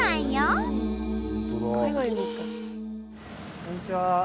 こんにちは。